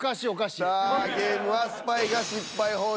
さあゲームはスパイが失敗報酬